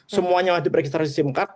semuanya wajib registrasi sim card